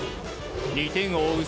２点を追う